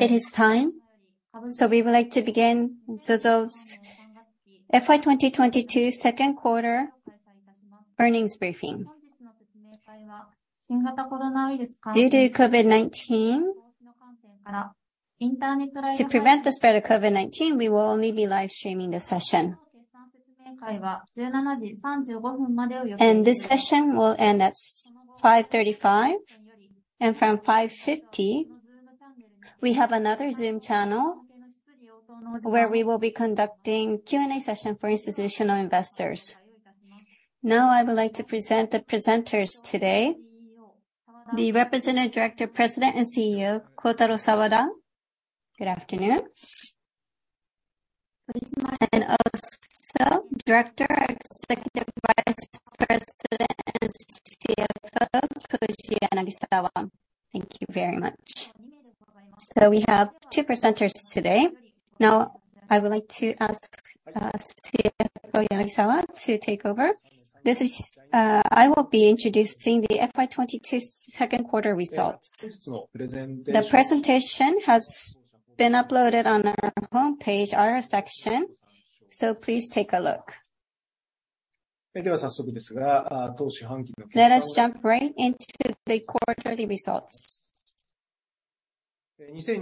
It is time, so we would like to begin ZOZO's FY 2022 second quarter earnings briefing. Due to COVID-19, to prevent the spread of COVID-19, we will only be live streaming this session. This session will end at 5:35 P.M. From 5:50 P.M., we have another Zoom channel where we will be conducting Q&A session for institutional investors. Now I would like to present the presenters today. The Representative Director, President, and CEO Kotaro Sawada. Good afternoon. Also Director, Executive Vice President, and CFO Koji Yanagisawa. Thank you very much. We have two presenters today. Now I would like to ask CFO Yanagisawa to take over. I will be introducing the FY 2022 second quarter results. The presentation has been uploaded on our homepage IR section, so please take a look. Let us jump right into the quarterly results. FY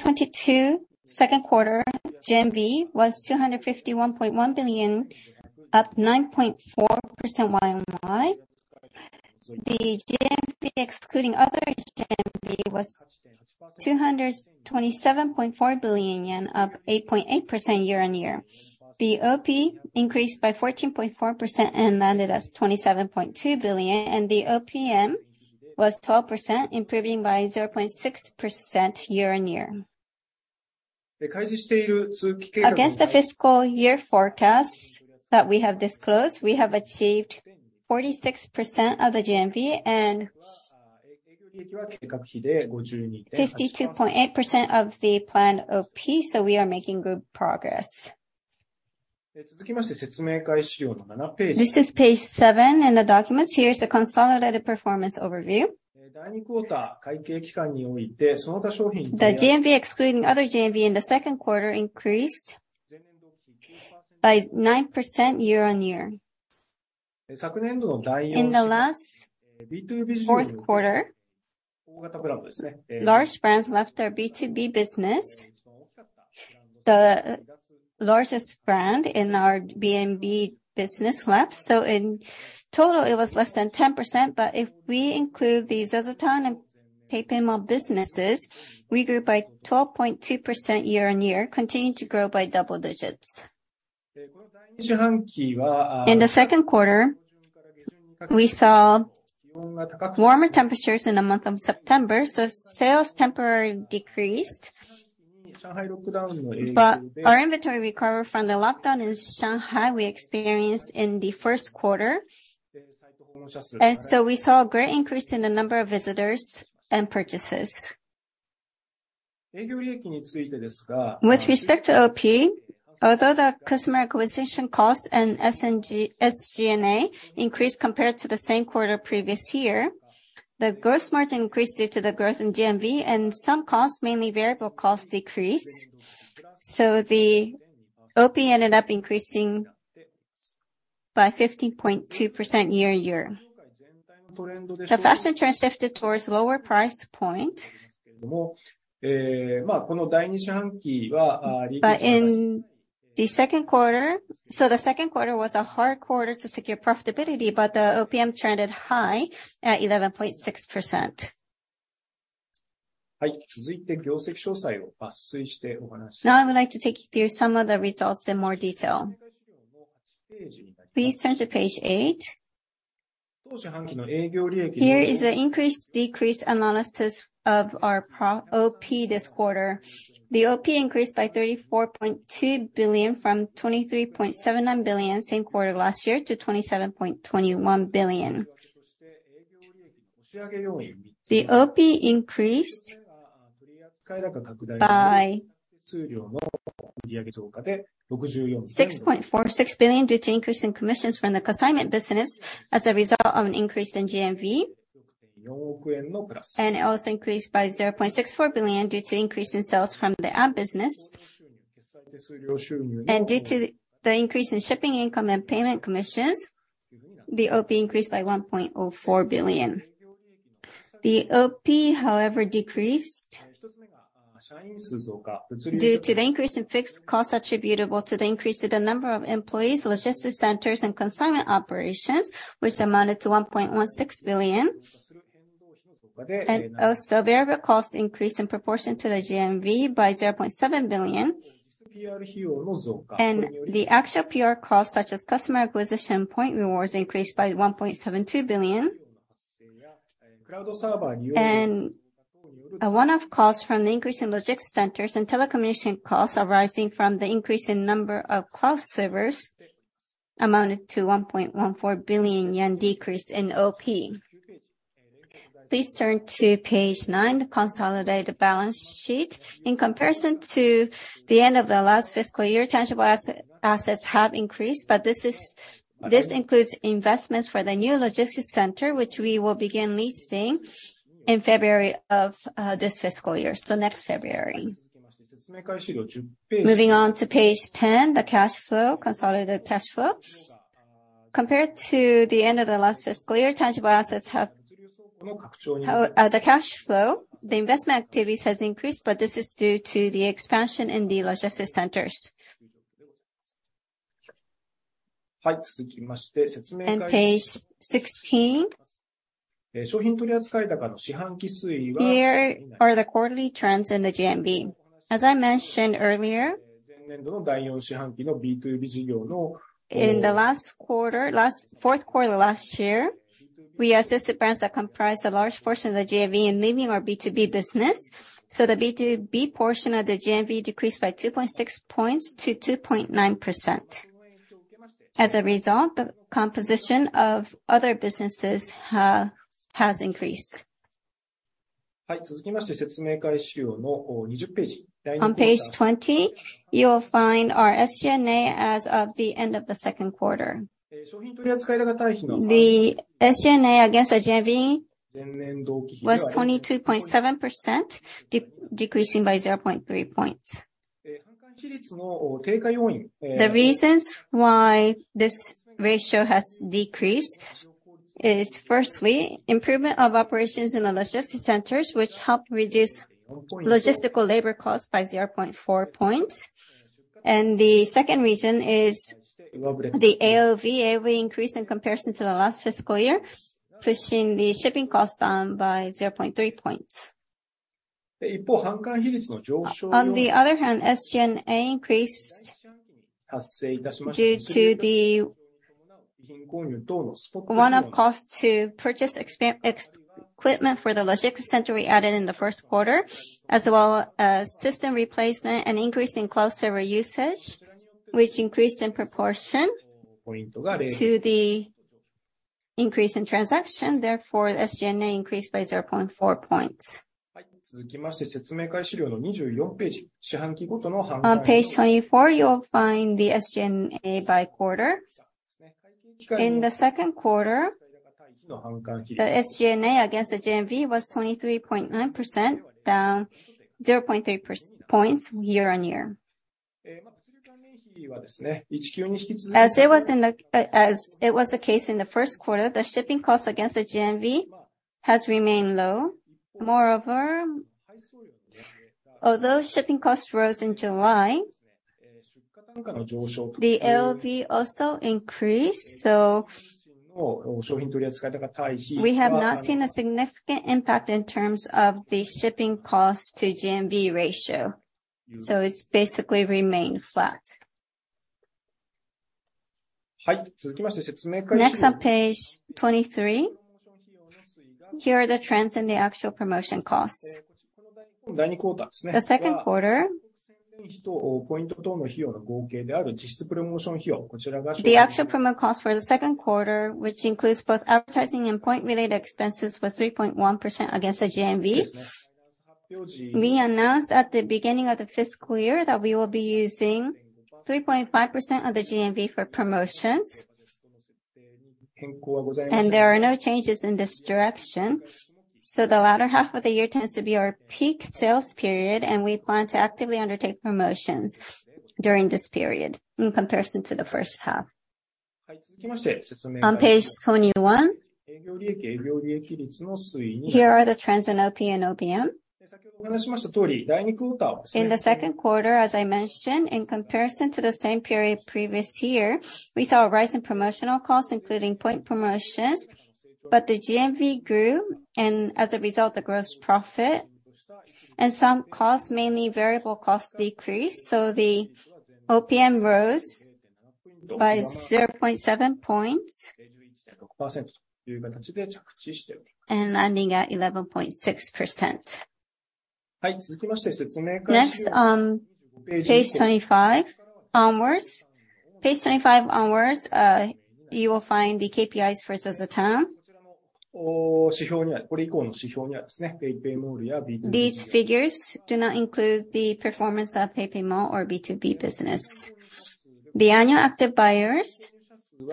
2022 second quarter GMV was 251.1 billion, up 9.4% YoY. The GMV excluding other GMV was 227.4 billion yen, up 8.8% year-over-year. The OP increased by 14.4% and landed as 27.2 billion. The OPM was 12%, improving by 0.6% year-over-year. Against the fiscal year forecasts that we have disclosed, we have achieved 46% of the GMV and 52.8% of the planned OP, so we are making good progress. This is in the documents. Here is the consolidated erformance overview. The GMV, excluding other GMV in the second quarter, increased by 9% year-over-year. In the last fourth quarter, large brands The largest brand in our BMB business left. In total, it was less than 10%, but if we include the ZOZOTOWN and PayPay Mall businesses, we grew by 12.2% year-on-year, continuing to grow by double digits. In the second quarter, we saw warmer temperatures in the month of September, so sales temporarily decreased. Our inventory recovered from the lockdown in Shanghai we experienced in the first quarter. We saw a great increase in the number of visitors and purchases. With respect to OP, although the customer acquisition costs and SG&A increased compared to the same quarter previous year, the gross margin increased due to the growth in GMV and some costs, mainly variable costs, decreased. The OP ended up increasing by 15.2% year-on-year. The fashion trend shifted towards lower price point. In the second quarter, the second quarter was a hard quarter to secure profitability, but the OPM trended high at 11.6%. Now I would like to take you through some of the results in more detail. Please turn to page eight. Here is an increase/decrease analysis of our OP this quarter. The OP increased by 34.2 billion from 23.79 billion same quarter last year to 27.21 billion. The OP increased by 6.46 billion due to increase in commissions from the consignment business as a result of an increase in GMV. It also increased by 0.64 billion due to increase in sales from the ad business. Due to the increase in shipping income and payment commissions, the OP increased by 1.4 billion. The OP, however, decreased due to the increase in fixed costs attributable to the increase to the number of employees, logistics centers and consignment operations, which amounted to 1.16 billion. Also, variable costs increased in proportion to the GMV by 0.7 billion. The actual PR costs, such as customer acquisition point rewards, increased by 1.72 billion. A one-off cost from the increase in logistics centers and telecommunication costs arising from the increase in number of cloud servers amounted to 1.14 billion yen decrease in OP. Please turn to page nine, the consolidated balance sheet. In comparison to the end of the last fiscal year, tangible assets have increased, but this includes investments for the new logistics center, which we will begin leasing in February of this fiscal year. Next February. Moving on to page 10, the consolidated cash flow. Compared to the end of the last fiscal year, tangible assets have increased. Cash flow from investing activities has increased, but this is due to the expansion in the logistics centers. Page 16. Here are the quarterly trends in the GMV. As I mentioned earlier, in the fourth quarter last year, we assisted brands that comprised a large portion of the GMV in leaving our B2B business. The B2B portion of the GMV decreased by 2.6 points to 2.9%. As a result, the composition of other businesses has increased. On page 20, you'll find our SG&A as of the end of the second quarter. The SG&A against the GMV was 22.7% decreasing by 0.3 points. The reasons why this ratio has decreased is firstly, improvement of operations in the logistics centers, which helped reduce logistical labor costs by 0.4 points. The second reason is the AOV increase in comparison to the last fiscal year, pushing the shipping cost down by 0.3 points. On the other hand, SG&A increased due to the one-off cost to purchase equipment for the logistics center we added in the first quarter, as well as system replacement and increase in cloud server usage, which increased in proportion to the increase in transaction. Therefore, the SG&A increased by 0.4 points. On page 24, you'll find the SG&A by quarter. In the second quarter, the SG&A against the GMV was 23.9%, down 0.3 percentage points year-on-year. As it was the case in the first quarter, the shipping cost against the GMV has remained low. Moreover, although shipping costs rose in July, the AOV also increased, so we have not seen a significant impact in terms of the shipping cost to GMV ratio. It's basically remained flat. Next, on page 23, here are the trends in the actual promotion costs. The second quarter actual promo cost, which includes both advertising and point-related expenses, was 3.1% against the GMV. We announced at the beginning of the fiscal year that we will be using 3.5% of the GMV for promotions. There are no changes in this direction. The latter half of the year tends to be our peak sales period, and we plan to actively undertake promotions during this period in comparison to the first half. On page 21, here are the trends in OP and OPM. In the second quarter, as I mentioned, in comparison to the same period previous year, we saw a rise in promotional costs, including point promotions, but the GMV grew, and as a result, the gross profit and some costs, mainly variable costs, decreased. The OPM rose by 0.7 points and landing at 11.6%. Next, on page 25 onwards, you will find the KPIs for ZOZOTOWN. These figures do not include the performance of PayPay Mall or B2B business. The annual active buyers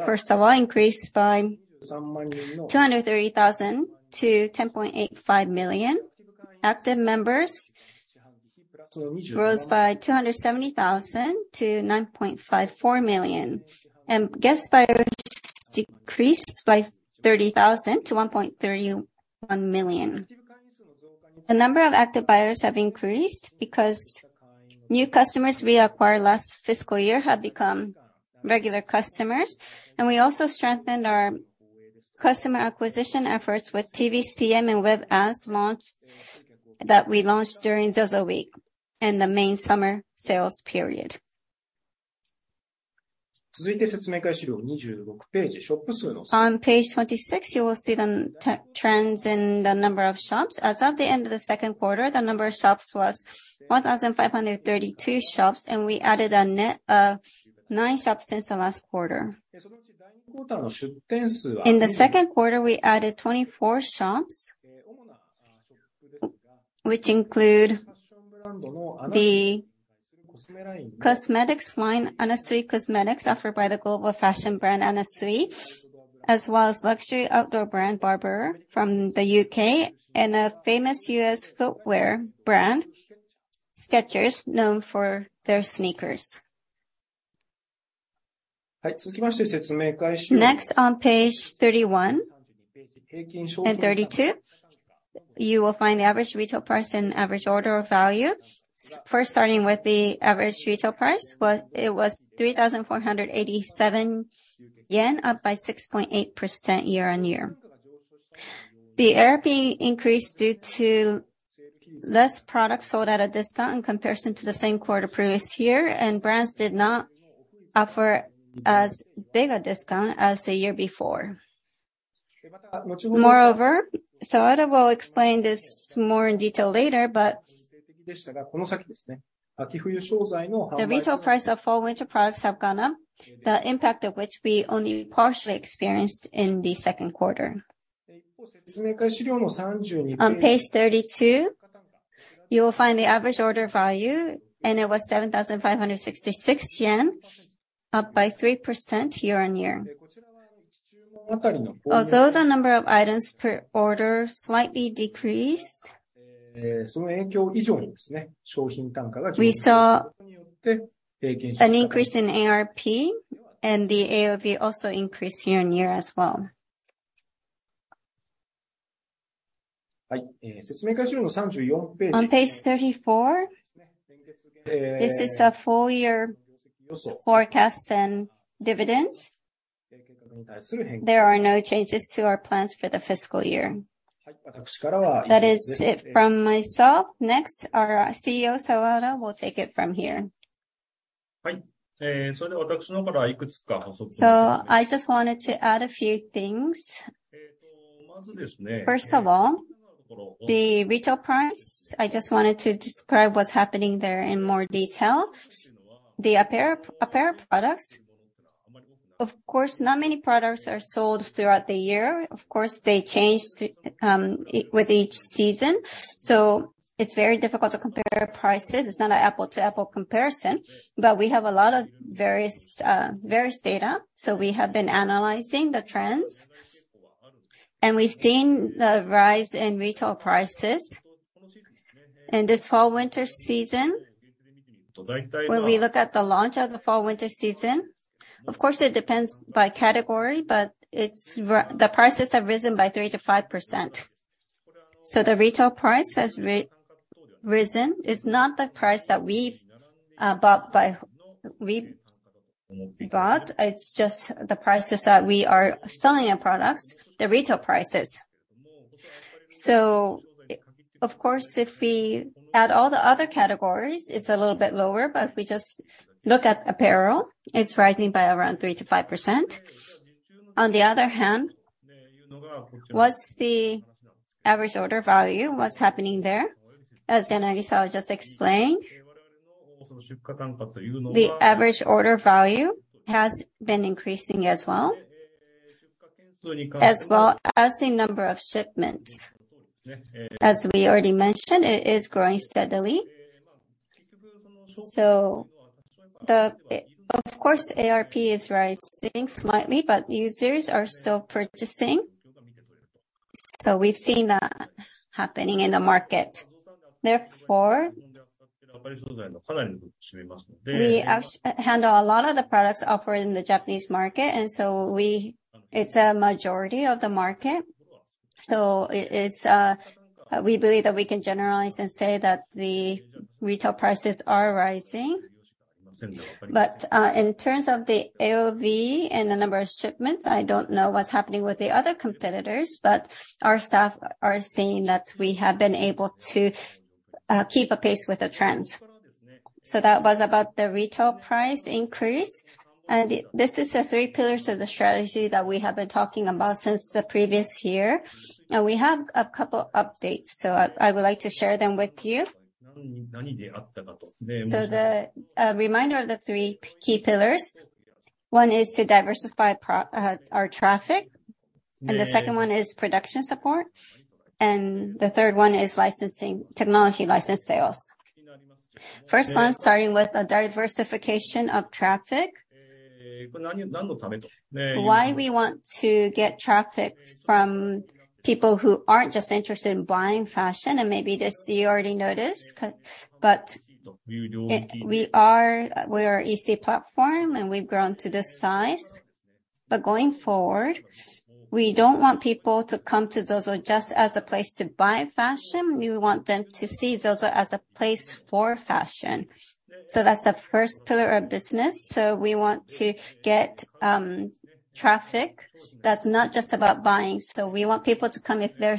for ZOZOTOWN increased by 230,000 to 10.85 million. Active members rose by 270,000 to 9.54 million. Guest buyers decreased by 30,000 to 1.31 million. The number of active buyers have increased because new customers we acquired last fiscal year have become regular customers. We also strengthened our customer acquisition efforts with TV CM and web ads that we launched during ZOZOWEEK and the main summer sales period. On page 26, you will see the trends in the number of shops. As of the end of the second quarter, the number of shops was 1,532 shops, and we added a net of nine shops since the last quarter. In the second quarter, we added 24 shops, which include the Cosmetics line, Anna Sui Cosmetics offered by the global fashion brand Anna Sui, as well as luxury outdoor brand Barbour from the UK, and a famous US footwear brand, Skechers, known for their sneakers. Next, on page 31 and 32, you will find the average retail price and average order value. First starting with the average retail price, it was 3,487 yen, up by 6.8% year-on-year. The ARP increased due to less products sold at a discount in comparison to the same quarter previous year, and brands did not offer as big a discount as the year before. Moreover, Sawada will explain this more in detail later, but the retail price of fall/winter products have gone up. The impact of which we only partially experienced in the second quarter. On page 32, you will find the average order value, and it was 7,566 yen, up by 3% year-over-year. Although the number of items per order slightly decreased, we saw an increase in ARP, and the AOV also increased year-over-year as well. On page 34, this is the full year forecast and dividends. There are no changes to our plans for the fiscal year. That is it from myself. Next, our CEO, Sawada, will take it from here. I just wanted to add a few things. First of all, the retail price, I just wanted to describe what's happening there in more detail. The apparel products, of course, not many products are sold throughout the year. Of course, they change with each season. It's very difficult to compare prices. It's not an apple-to-apple comparison. We have a lot of various data, so we have been analyzing the trends. We've seen the rise in retail prices. In this fall/winter season, when we look at the launch of the fall/winter season, of course, it depends by category, but the prices have risen by 3%-5%. The retail price has risen. It's not the price that we've bought by, we've bought. It's just the prices that we are selling our products, the retail prices. Of course, if we add all the other categories, it's a little bit lower, but if we just look at apparel, it's rising by around 3%-5%. On the other hand, what's the average order value? What's happening there? As Yanagisawa just explained, the average order value has been increasing as well. As well as the number of shipments. As we already mentioned, it is growing steadily. The ARP, of course, is rising slightly, but users are still purchasing. We've seen that happening in the market. Therefore, we handle a lot of the products offered in the Japanese market, and it's a majority of the market. We believe that we can generalize and say that the retail prices are rising. In terms of the AOV and the number of shipments, I don't know what's happening with the other competitors, but our staff are seeing that we have been able to keep apace with the trends. That was about the retail price increase. This is the three pillars of the strategy that we have been talking about since the previous year. We have a couple updates, so I would like to share them with you. The reminder of the three key pillars. One is to diversify our traffic. The second one is production support. The third one is licensing, technology license sales. First one, starting with the diversification of traffic. Why we want to get traffic from people who aren't just interested in buying fashion, and maybe this you already know. We are EC platform, and we've grown to this size. Going forward, we don't want people to come to ZOZO just as a place to buy fashion. We want them to see ZOZO as a place for fashion. That's the first pillar of business. We want to get traffic that's not just about buying. We want people to come if they're,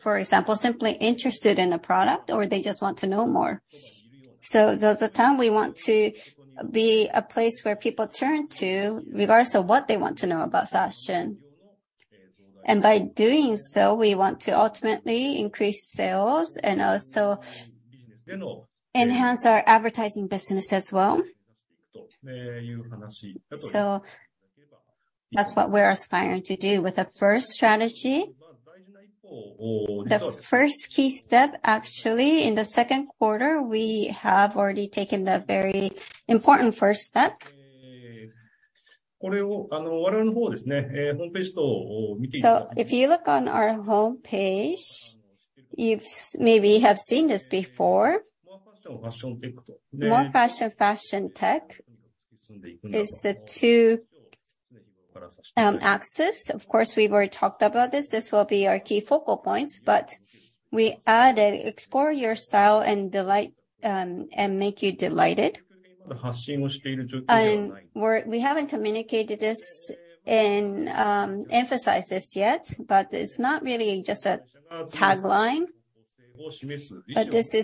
for example, simply interested in a product or they just want to know more. ZOZOTOWN, we want to be a place where people turn to regardless of what they want to know about fashion. By doing so, we want to ultimately increase sales and also enhance our advertising business as well. That's what we're aspiring to do. With the first strategy, the first key step, actually, in the second quarter, we have already taken the very important first step. If you look on our homepage, you've maybe have seen this before. More fashion tech. It's the two axis. Of course, we've already talked about this. This will be our key focal points, but we added explore your style and delight and make you delighted. We haven't communicated this and emphasized this yet, but it's not really just a tagline. This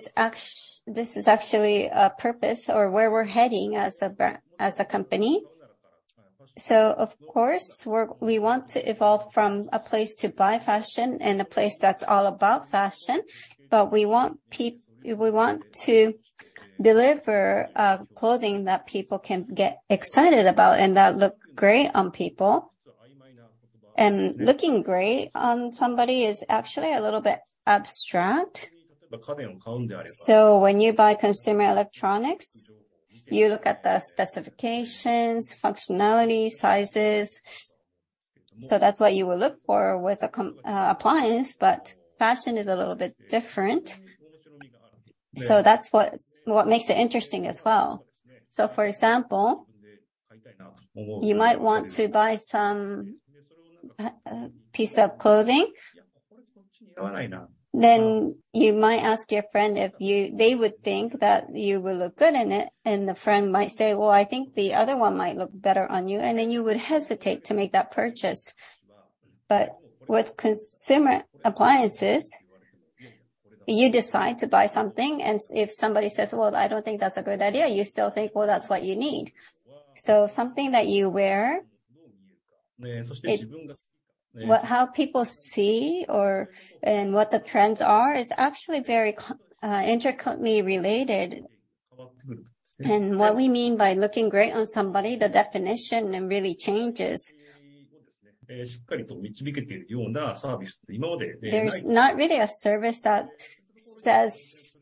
is actually a purpose or where we're heading as a company. Of course, we want to evolve from a place to buy fashion and a place that's all about fashion, but we want to deliver clothing that people can get excited about and that look great on people. Looking great on somebody is actually a little bit abstract. When you buy consumer electronics, you look at the specifications, functionality, sizes. That's what you will look for with an appliance, but fashion is a little bit different. That's what makes it interesting as well. For example, you might want to buy some piece of clothing. You might ask your friend if you... They would think that you will look good in it, and the friend might say, "Well, I think the other one might look better on you." You would hesitate to make that purchase. With consumer appliances, you decide to buy something, and if somebody says, "Well, I don't think that's a good idea," you still think, well, that's what you need. Something that you wear, it's what how people see or, and what the trends are is actually very intricately related. What we mean by looking great on somebody, the definition, it really changes. There is not really a service that says,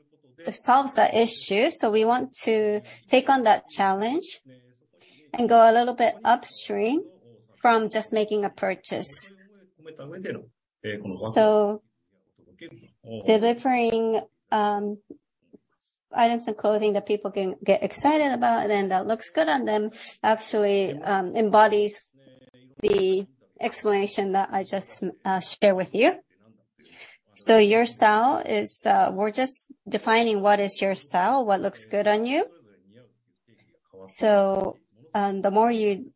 solves that issue. We want to take on that challenge and go a little bit upstream from just making a purchase. Delivering items of clothing that people can get excited about and that looks good on them actually embodies the explanation that I just shared with you. Your style is, we're just defining what is your style, what looks good on you. The more you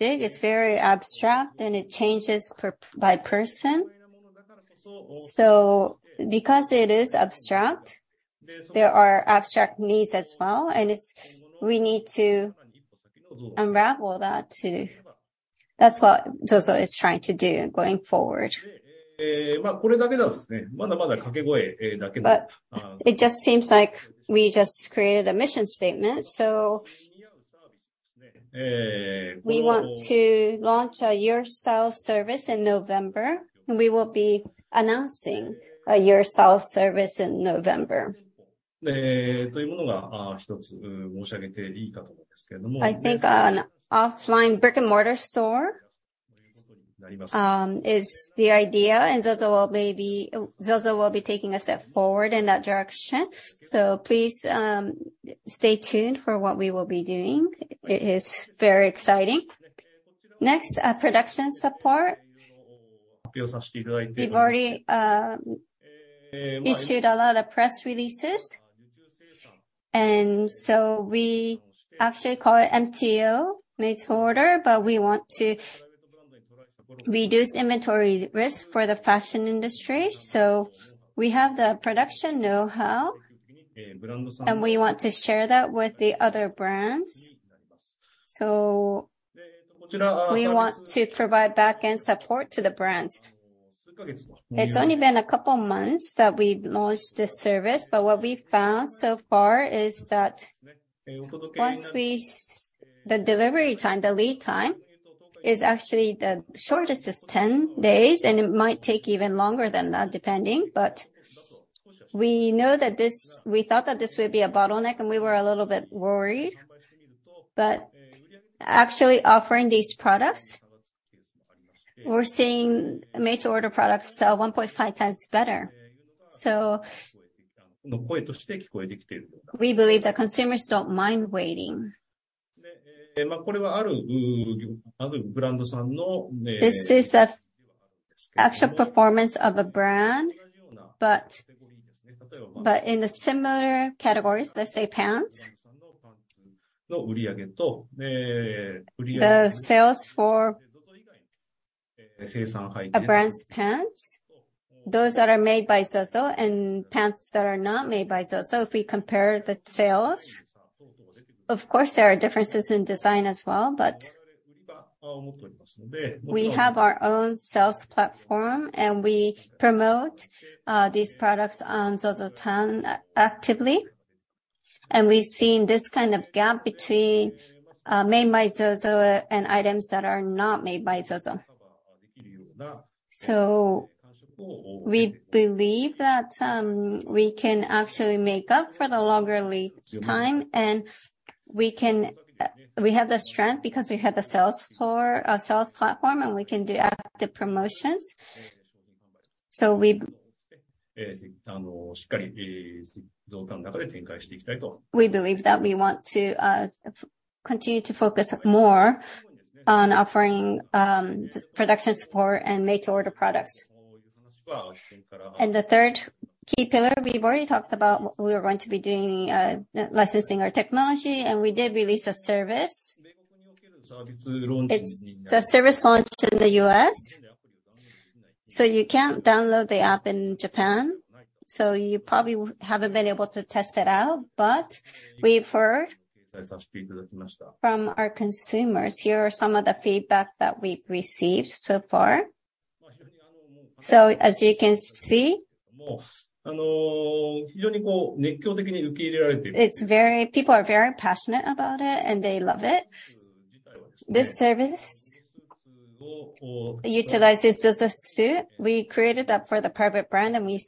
dig, it's very abstract, and it changes per by person. Because it is abstract, there are abstract needs as well, and it's, we need to unravel that too. That's what ZOZO is trying to do going forward. It just seems like we just created a mission statement. We want to launch a Your Style service in November. We will be announcing a Your Style service in November. I think an offline brick-and-mortar store is the idea, and ZOZO will maybe, ZOZO will be taking a step forward in that direction. Please stay tuned for what we will be doing. It is very exciting. Next, production support. We've already issued a lot of press releases, and so we actually call it MTO, made to order, but we want to reduce inventory risk for the fashion industry. We have the production know-how, and we want to share that with the other brands. We want to provide back-end support to the brands. It's only been a couple of months that we've launched this service, but what we found so far is that the delivery time, the lead time, is actually the shortest is 10 days, and it might take even longer than that, depending. We know that this, we thought that this would be a bottleneck, and we were a little bit worried. Actually offering these products, we're seeing made-to-order products sell 1.5 times better. We believe that consumers don't mind waiting. This is an actual performance of a brand, but in the similar categories, let's say pants. The sales for a brand's pants, those that are made by ZOZO and pants that are not made by ZOZO, if we compare the sales, of course, there are differences in design as well, but we have our own sales platform, and we promote these products on ZOZOTOWN actively. We've seen this kind of gap between made by ZOZO and items that are not made by ZOZO. We believe that we can actually make up for the longer lead time, and we can. We have the strength because we have the sales platform, and we can do active promotions. We believe that we want to continue to focus more on offering production support and made-to-order products. The third key pillar we've already talked about, we are going to be doing licensing our technology, and we did release a service. It's a service launch in the U.S. You can't download the app in Japan, so you probably haven't been able to test it out. We've heard from our consumers, here are some of the feedback that we've received so far. As you can see, people are very passionate about it, and they love it. This service utilizes just a suit. We created that for the private brand, and we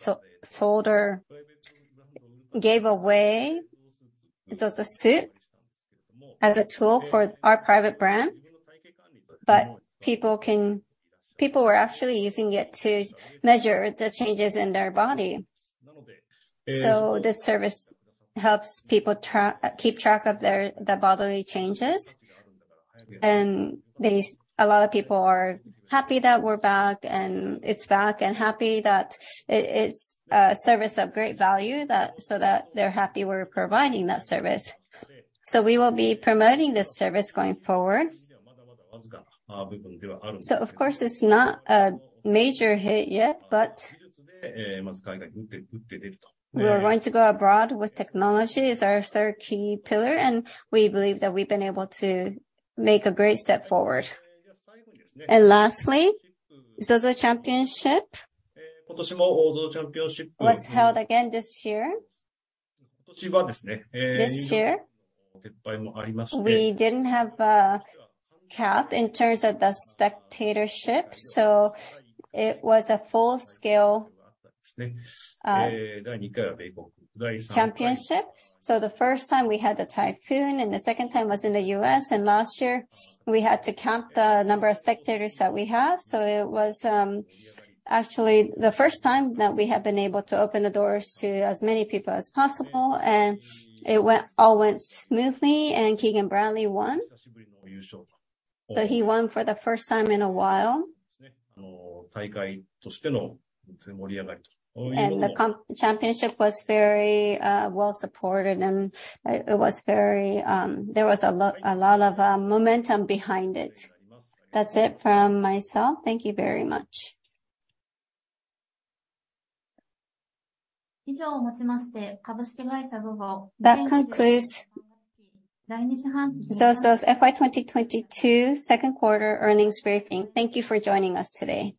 sold or gave away ZOZOSUIT as a tool for our private brand. People were actually using it to measure the changes in their body. This service helps people keep track of their, the bodily changes. These, a lot of people are happy that we're back and it's back, and happy that it's a service of great value that, so that they're happy we're providing that service. We will be promoting this service going forward. Of course, it's not a major hit yet, but we are going to go abroad with technology as our third key pillar, and we believe that we've been able to make a great step forward. Lastly, ZOZO CHAMPIONSHIP was held again this year. This year, we didn't have a cap in terms of the spectatorship, so it was a full-scale championship. The first time we had the typhoon, and the second time was in the U.S., and last year we had to count the number of spectators that we have. It was actually the first time that we have been able to open the doors to as many people as possible, and it all went smoothly, and Keegan Bradley won. He won for the first time in a while. The championship was very well supported, and it was very. There was a lot of momentum behind it. That's it from myself. Thank you very much. That concludes ZOZO's FY 2022 second quarter earnings briefing. Thank you for joining us today.